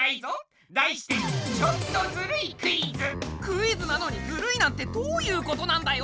題してクイズなのにずるいなんてどういうことなんだよ